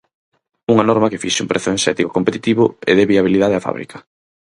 Unha norma que fixe un prezo enerxético competitivo e de viabilidade á fábrica.